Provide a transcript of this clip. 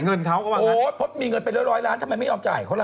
โอ้เพราะมีเงินเป็นร้อยล้านทำไมไม่ยอมจ่ายเขาล่ะ